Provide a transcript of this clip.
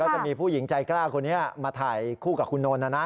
จะมีผู้หญิงใจกล้าคนนี้มาถ่ายคู่กับคุณนนท์นะนะ